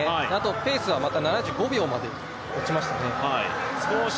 ペースはまた７５秒まで落ちましたね。